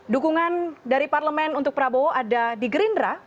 dukungan dari parlemen untuk prabowo ada di gerindra